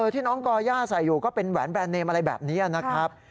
ที่น้องก่อย่าใส่อยู่ก็เป็นแหวนแรนดเนมอะไรแบบนี้นะครับ